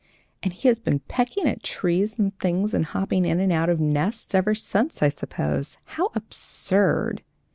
"And he has been pecking at trees and things, and hopping in and out of nests ever since, I suppose. How absurd!